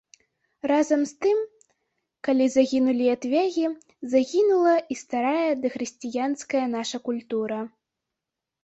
Разам з тым, калі загінулі ятвягі, загінула і старая дахрысціянская наша культура.